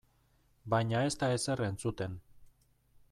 Baina ez da ezer entzuten.